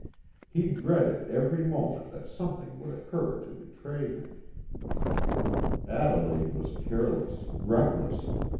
He dreaded every moment that something would occur to betray him. Adelaide was careless, reckless.